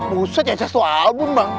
buset ya cacat tuh album bang